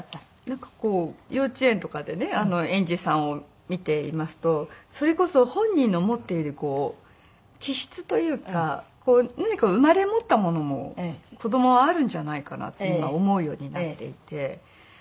なんかこう幼稚園とかでね園児さんを見ていますとそれこそ本人の持っている気質というか何か生まれ持ったものも子供はあるんじゃないかなって今思うようになっていて。